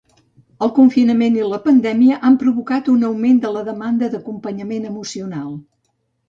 El confinament i la pandèmia han provocat un augment de la demanda d'acompanyament emocional.